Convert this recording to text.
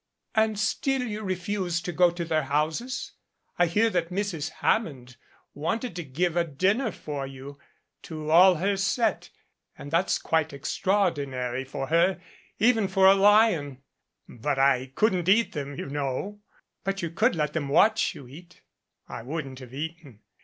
"And still you refuse to go to their houses? I hear that Mrs. Hammond wanted to give a dinner for you to all her set and that's quite extraordinary of her even for a lion " "But I couldn't eat them, you know 'But you could let them watch you eat "I wouldn't have eaten.